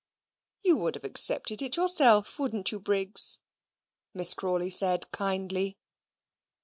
"You would have accepted it yourself, wouldn't you, Briggs?" Miss Crawley said, kindly.